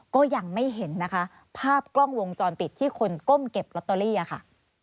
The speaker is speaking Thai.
ก็ยังไม่เห็นนะคะภาพกล้องวงจรปิดที่คนก้มเก็บลอตเตอรี่ค่ะ